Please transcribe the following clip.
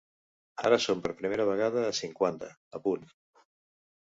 Ara som per primera vegada a cinquanta, a punt.